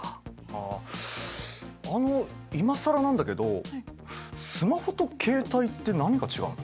あの今更なんだけどスマホと携帯って何が違うの？